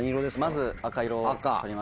まず赤色を取りました。